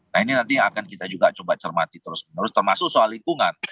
nah ini nanti akan kita juga coba cermati terus menerus termasuk soal lingkungan